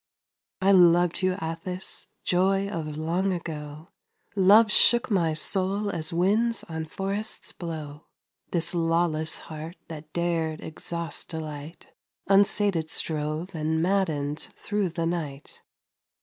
I loved you, Atthis joy of long ago Love shook my soul as winds on forests blow; This lawless heart that dared exhaust delight, Unsated strove and maddened through the night.